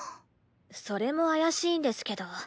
それも怪しいんですけど。